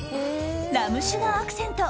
ラム酒がアクセント。